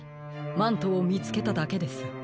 マントをみつけただけです。